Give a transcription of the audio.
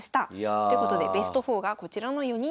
ということでベスト４がこちらの４人となります。